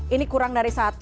ini kurang dari satu